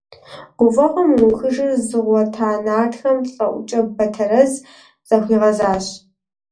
Гуфӏэгъуэ мыухыжыр зыгъуэта нартхэм лъэӏукӏэ Батэрэз захуигъэзащ.